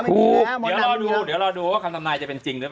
เดี๋ยวรอดูเดี๋ยวรอดูว่าคำสัญญาจะเป็นจริงหรือป่ะ